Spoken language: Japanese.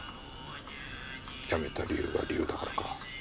辞めた理由が理由だからか。